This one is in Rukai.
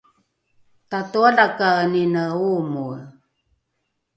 tatoalakaenine oomoe